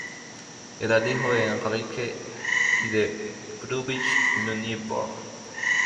Era hijo de Enrique I de Brunswick-Luneburgo.